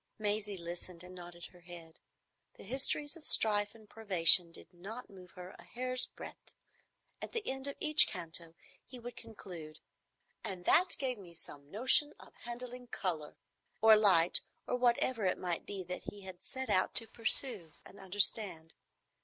Maisie listened and nodded her head. The histories of strife and privation did not move her a hair's breadth. At the end of each canto he would conclude, "And that gave me some notion of handling colour," or light, or whatever it might be that he had set out to pursue and understand.